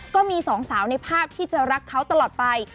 ก็มีสองสาวในภาพที่จะรักเขาตลอดไป